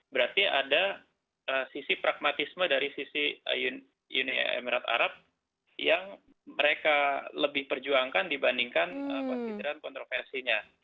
berarti ada sisi pragmatisme dari sisi uni emirat arab yang mereka lebih perjuangkan dibandingkan konsideran kontroversinya